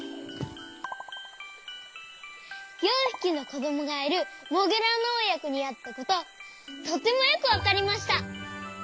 ４ひきのこどもがいるモグラのおやこにあったこととてもよくわかりました。